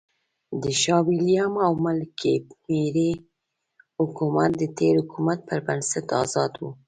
د شاه وېلیم او ملکې مېري حکومت د تېر حکومت پر نسبت آزاد و.